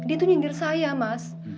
dia itu nyindir saya mas